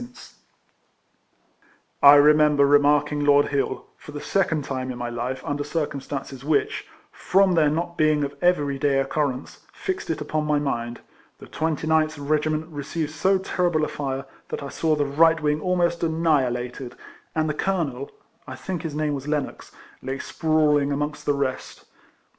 32 RECOLLECTIONS OF I remember remarking Lord Hill, for the second time in my life, under circumstances Avhicli (from their not being of every day occurrence) fixed it upon my mind. The 29th regiment received so terrible a fire, that I saw the right wing almost annihi lated, and the colonel (I think his name was Lennox) lay sprawling amongst the rest.